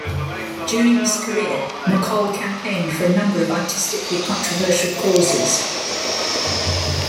During his career, MacColl campaigned for a number of artistically controversial causes.